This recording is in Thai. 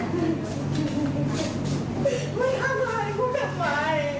มันมีความผิดอะไร